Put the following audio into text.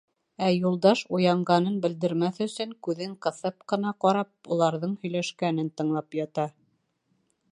Ә Юлдаш, уянғанын белдермәҫ өсөн, күҙен ҡыҫып ҡына ҡарап, уларҙың һөйләшкәнен тыңлап ята.